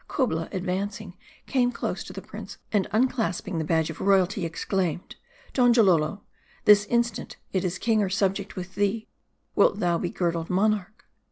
,Kubla,' advancing, came close to the prince, and unclasping the badge of royalty, ex claimed, " Donjalolo, this instant it is king or subject with thee : wilt thou be girdled monarch